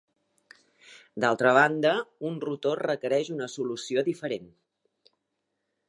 D'altra banda, un rotor requereix una solució diferent.